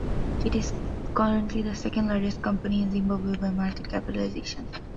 It is currently the second-largest company in Zimbabwe by market capitalisation.